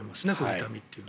痛みというのは。